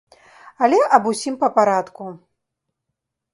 Але аб усім па парадку.